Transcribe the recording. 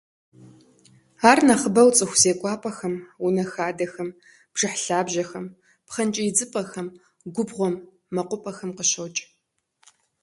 Ар нэхъыбэу цӏыху зекӏуапӏэхэм, унэ хадэхэм, бжыхь лъабжьэхэм, пхъэнкӏий идзыпӏэхэм, губгъуэм, мэкъупӏэхэм къыщокӏ.